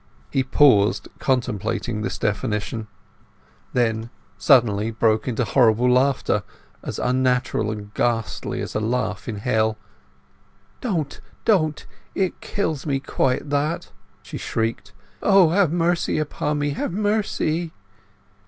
He paused, contemplating this definition; then suddenly broke into horrible laughter—as unnatural and ghastly as a laugh in hell. "Don't—don't! It kills me quite, that!" she shrieked. "O have mercy upon me—have mercy!"